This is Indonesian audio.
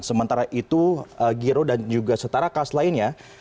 sementara itu giro dan juga setara kas lainnya